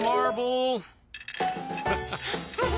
ハハハハ！